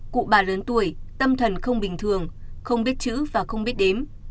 cụ bà lớn tuổi tâm thần không bình thường không biết chữ và không biết đến